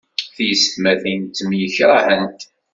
Tisetmatin temyekrahent.